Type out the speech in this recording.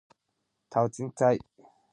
So pá y so ma ablucaron al ver a la neña asina.